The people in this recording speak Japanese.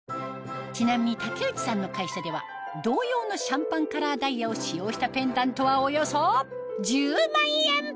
ちなみに竹内さんの会社では同様のシャンパンカラーダイヤを使用したペンダントはおよそ１０万円！